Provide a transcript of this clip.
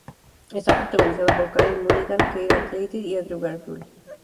Está protagonizada por Carey Mulligan, Keira Knightley y Andrew Garfield.